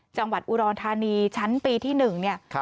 จังหวัดอุดรธานีชั้นปีที่๑เนี่ย